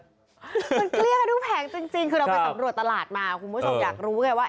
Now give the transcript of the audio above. มันเกลี้ยกันทุกแผงจริงคือเราไปสำรวจตลาดมาคุณผู้ชมอยากรู้ไงว่า